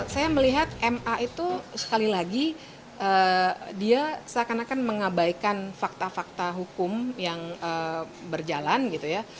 saya melihat ma itu sekali lagi dia seakan akan mengabaikan fakta fakta hukum yang berjalan gitu ya